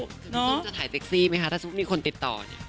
สมมุติจะถ่ายเซ็กซี่ไหมคะถ้าสมมุติมีคนติดต่อ